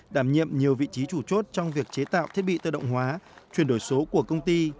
đảm nhiệm nhiều vị trí chủ chốt trong việc chế tạo thiết bị tự động hóa chuyển đổi số của công ty